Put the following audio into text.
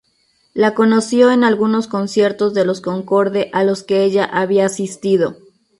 La conoció en algunos conciertos de Los Concorde a los que ella había asistido.